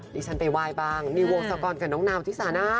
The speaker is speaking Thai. ดิฉันไปไหว้บ้างมีวงศกรกับน้องนาวที่สาน่า